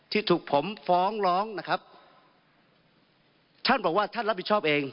ที่ถูกผมฟ้องร้องนะครับท่านบอกว่าท่านรับผิดชอบเอง